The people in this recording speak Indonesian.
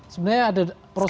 sebenarnya ada proses